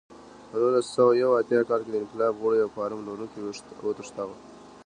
په نولس سوه یو اتیا کال کې د انقلاب غړو یو فارم لرونکی وتښتاوه.